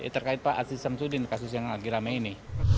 terkait pak aziz syamsudin kasus yang lagi rame ini